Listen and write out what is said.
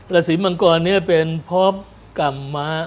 ราศีมังกรเนี่ยเป็นพรบกรรมะ